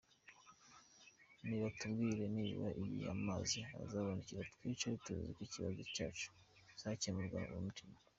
Nibatubwire nibura igihe amazi azabonekera twicare tuzi ko ikibazo cyacu kizabonerwa umuti.